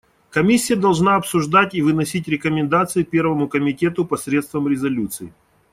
Комиссия должна обсуждать и выносить рекомендации Первому комитету посредством резолюций.